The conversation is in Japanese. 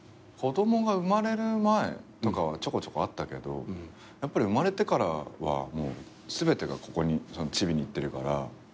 子供が生まれる前とかはちょこちょこあったけどやっぱり生まれてからは全てがチビに行ってるから。